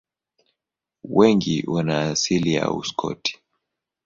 Wengi wana asili ya Uskoti.